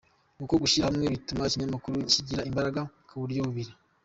Uko gushyira hamwe bituma ikinyamakuru kigira imbaraga ku buryo bubiri.